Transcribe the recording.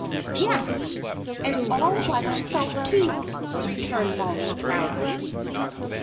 "Yes, and all by myself, too," returned Mollie, proudly.